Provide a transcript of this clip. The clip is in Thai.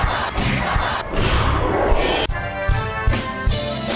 สวัสดีครับ